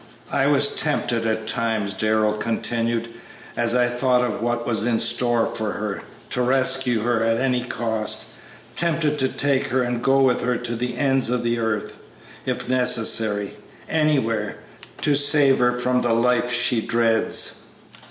"I was tempted at times," Darrell continued, "as I thought of what was in store for her, to rescue her at any cost; tempted to take her and go with her to the ends of the earth, if necessary; anywhere, to save her from the life she dreads."